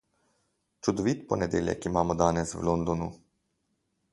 Čudovit ponedeljek imamo danes v Londonu.